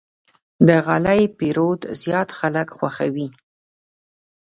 د غالۍ پېرود زیات خلک خوښوي.